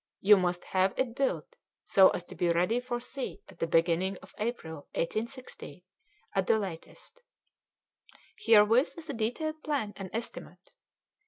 You must have it built so as to be ready for sea at the beginning of April, 1860, at the latest. Herewith is a detailed plan and estimate.